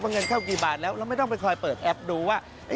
เงินเข้ากี่บาทแล้วเราไม่ต้องไปคอยเปิดแอปดูว่า